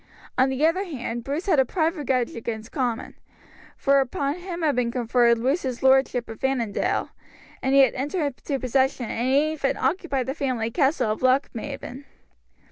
On the other hand, Bruce had a private grudge against Comyn, for upon him had been conferred Bruce's lordship of Annandale, and he had entered into possession and even occupied the family castle of Lochmaben.